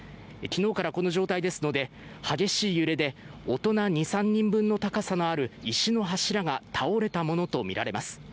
昨日からこの状態ですので、激しい揺れで大人２３人分の高さがある石の柱が倒れたものとみられます。